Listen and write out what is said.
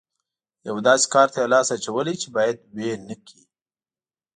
یوه داسې کار ته یې لاس اچولی چې بايد ويې نه کړي.